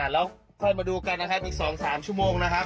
แล้วค่อยมาดูกันนะครับอีก๒๓ชั่วโมงนะครับ